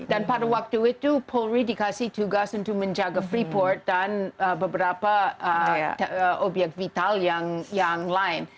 dan pada waktu itu polri dikasih tugas untuk menjaga freeport dan beberapa obyek vital yang lain